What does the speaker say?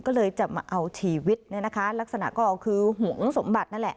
ก็เลยจะมาเอาชีวิตเนี่ยนะคะลักษณะก็คือหวงสมบัตินั่นแหละ